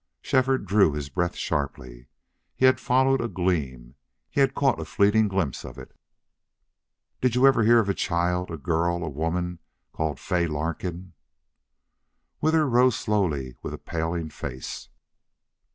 Shefford drew his breath sharply. He had followed a gleam he had caught a fleeting glimpse of it. "Did you ever hear of a child a girl a woman called Fay Larkin?" Withers rose slowly with a paling face.